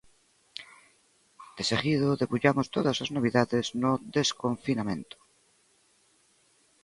Deseguido, debullamos todas as novidades no desconfinamento.